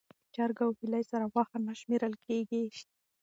چرګ او هیلۍ سره غوښه نه شمېرل کېږي.